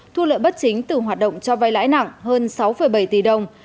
thu lợi bất chính từ hoạt động cho vay lãi nặng hơn sáu bảy tỷ đồng